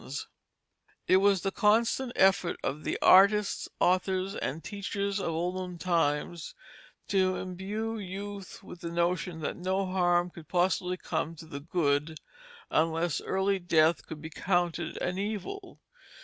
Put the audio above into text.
Page from Cobwebs to Catch Flies] It was the constant effort of the artists, authors, and teachers of olden times to imbue youth with the notion that no harm could possibly come to the good unless early death could be counted an evil.